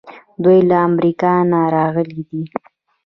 دوی له امریکا نه راغلي دي.